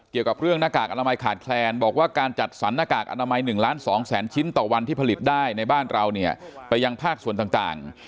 เกี่ยวกับเรื่องหน้ากากอนามัยขาดแคลนบอกว่าการจัดสรรหน้ากากอนามัย๑ล้าน๒แสนชิ้นต่อวันที่ผลิตได้ในบ้านเราเนี่ยไปยังภาคส่วนต่าง